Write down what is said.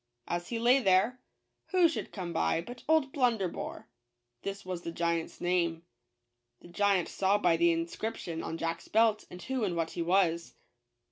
As he lay there, who should come by but old Blunderbore, (this was the giant's name). The giant saw by the inscription on Jack's belt who and what he was.